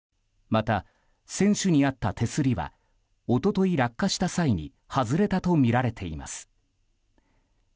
また船首にあった手すりは一昨日落下した際に外れたとみられています。